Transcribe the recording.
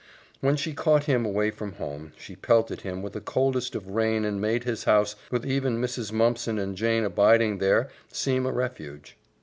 When she caught him away from home, she pelted him with the coldest of rain and made his house, with even Mrs. Mumpson and Jane abiding there, seem a refuge.